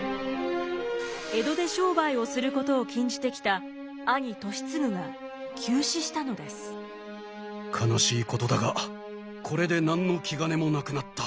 江戸で商売をすることを禁じてきた悲しいことだがこれで何の気兼ねもなくなった。